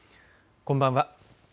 こんばんは。